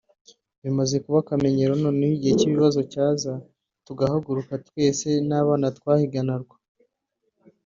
byamaze kuba akamenyero noneho igihe cy’ibibazo cyaza tugahaguruka twese ba bana twahiganarwa